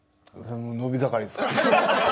伸び盛りですから。